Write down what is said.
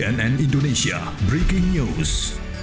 nanti sudah beri tahu di news